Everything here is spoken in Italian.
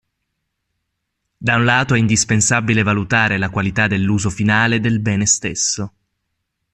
Da un lato è indispensabile valutare la qualità dell'uso finale del bene stesso.